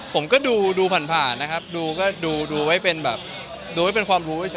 ผมก็ดูผ่านนะครับดูไว้เป็นแบบดูไว้เป็นความรู้เฉยอะครับ